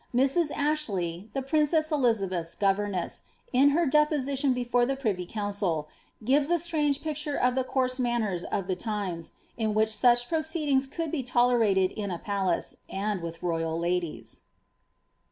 Mrs. Ashley, the princess Elizabeth's governess, in her de position before the privy council, gives a strange picture of the coeise manners of the times, in which such proceedings could be tolerated in a palace, and with royal ladies.